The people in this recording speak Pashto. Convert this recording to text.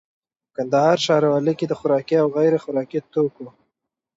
کندهار ښاروالي کي د خوراکي او غیري خوراکي توکو